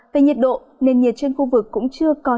về nhiệt độ nền nhiệt trên khu vực cũng chưa có